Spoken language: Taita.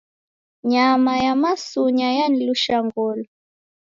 Nyama ya masunya yanilusha ngolo.